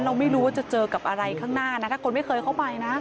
เราไม่รู้ว่าจะเจอกับอะไรข้างหน้านะถ้าคนไม่เคยเข้าไปนะ